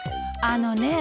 あのねえ。